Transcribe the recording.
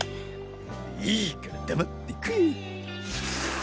いいから黙って食え。